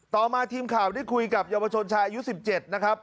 ต่อมาทีมข่าวได้คุยกับเยาวชนชายอายุ๑๗นะครับ